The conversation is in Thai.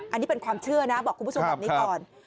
อันนี้เป็นความเชื่อนะบอกคุณผู้ชมแบบนี้ก่อน